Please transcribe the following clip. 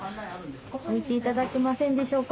置いていただけませんでしょうか？